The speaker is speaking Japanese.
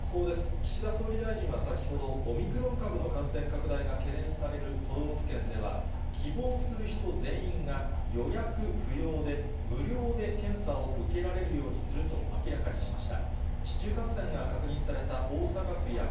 岸田総理大臣はオミクロン株の感染拡大が懸念される都道府県では、希望する人全員が予約不要で無料で検査を受けられるようにすると明らかにしました。